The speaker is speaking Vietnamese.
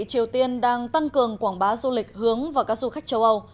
triều tiên đang tăng cường quảng bá du lịch hướng vào các du khách châu âu